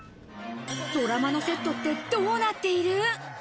ドラマのセットってどうなっている？